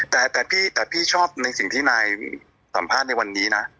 แต่พี่ชอบในสิ่งที่นายสัมภาษณ์ในวันนี้นะ